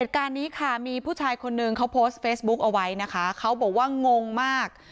เหตุการณ์นี้ค่ะมีผู้ชายคนนึงเขาโพสต์เฟซบุ๊กเอาไว้นะคะเขาบอกว่างงมาก